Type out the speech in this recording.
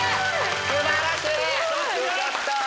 素晴らしい！